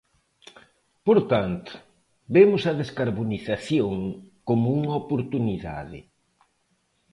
Por tanto, vemos a descarbonización como unha oportunidade.